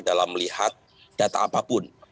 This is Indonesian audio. dalam melihat data apapun